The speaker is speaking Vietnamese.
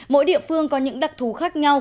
mỗi địa phương có những đặc thú khác nhau